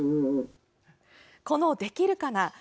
この「できるかな」